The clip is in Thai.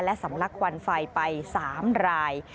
และสำลักควันไฟไป๓ราย